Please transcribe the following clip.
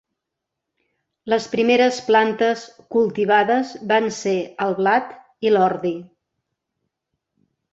Les primeres plantes cultivades van ser el blat i l'ordi.